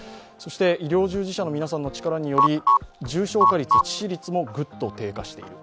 医療従事者の皆さんの力により重症化率、致死率もぐっと低下している。